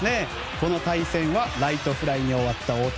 この対戦はライトフライに終わった大谷。